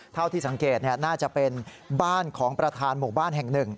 เท่าที่สังเกตน่าจะเป็นบ้านของประธานหมู่บ้านแห่งหนึ่ง